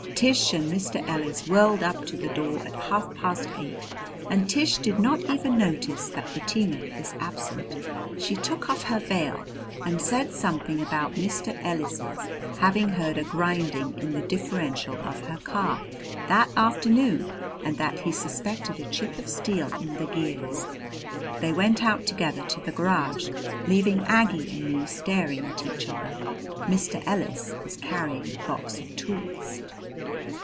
Tish and Mr. Ellis whirled up to the door at half past eight and Tish did not even notice that Bettina was absent. She took off her veil and said something about Mr. Ellis's having heard a grinding in the differential of her car that afternoon and that he suspected a chip of steel in the gears. They went out together to the garage, leaving Aggie and me staring at each other. Mr. Ellis was carrying a box of tools.